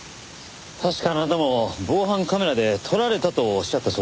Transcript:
確かあなたも防犯カメラで撮られたとおっしゃったそうですね。